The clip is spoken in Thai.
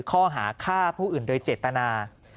ข้อหาฆ่าผู้อื่นโดยเจตนา